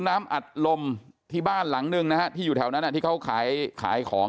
น้ำอัดลมที่บ้านหลังนึงนะฮะที่อยู่แถวนั้นที่เขาขายขายของ